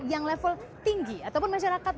yang level tinggi ataupun masyarakat